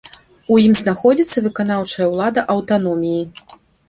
У ім знаходзіцца выканаўчая ўлада аўтаноміі.